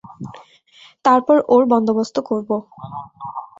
তারপর ওর বন্দোবস্ত করবো।